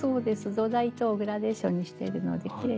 土台糸をグラデーションにしてるのできれいです。